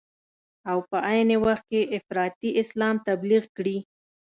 او په عین وخت کې افراطي اسلام تبلیغ کړي.